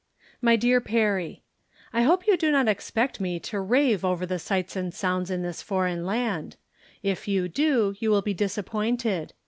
My Dear Perry : I hope you do not expect me to rave over tlie sights and sounds in this foreign land. If you do, you will be disappointed.